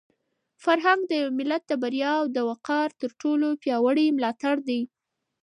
فرهنګ د یو ملت د بریا او د وقار تر ټولو پیاوړی ملاتړی دی.